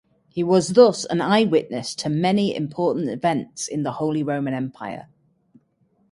He was thus an eyewitness to many important events in the Holy Roman Empire.